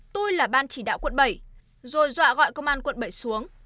tôi là ban chỉ đạo quận bảy rồi dọa gọi công an quận bảy xuống